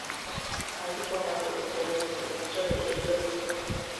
Así como la producción y suministro de Helio líquido.